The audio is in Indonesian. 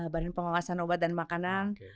badan pengawasan obat dan makanan